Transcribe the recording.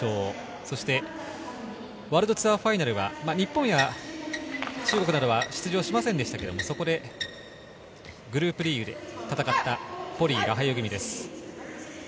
そしてワールドツアーファイナルで日本や中国などは出場しませんでしたが、そこでグループリーグで戦ったポリイ、ラハユ組です。